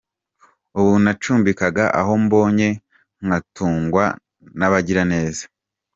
Ubu nacumbikaga aho mbonye nkatungwa n’abagira neza”.